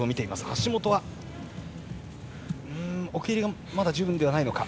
橋本は釣り手がまだ十分ではないか。